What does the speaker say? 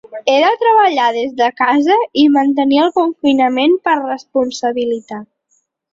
He de treballar des de casa i mantenir el confinament per responsabilitat.